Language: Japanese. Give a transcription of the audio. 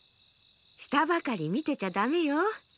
したばかりみてちゃダメよ。